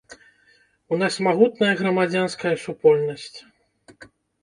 У нас магутная грамадзянская супольнасць.